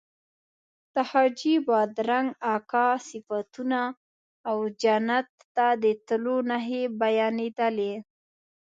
د حاجي بادرنګ اکا صفتونه او جنت ته د تلو نښې بیانېدلې.